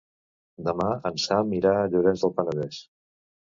Demà en Sam irà a Llorenç del Penedès.